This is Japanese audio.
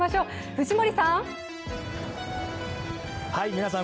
藤森さん。